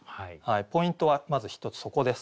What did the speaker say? ポイントはまず１つそこです。